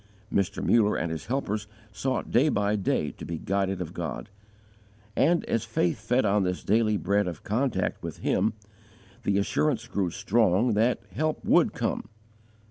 Mr. Muller and his helpers sought day by day to be guided of God, and, as faith fed on this daily bread of contact with Him, the assurance grew strong that help would come.